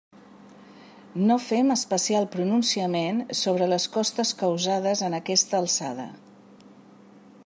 No fem especial pronunciament sobre les costes causades en aquesta alçada.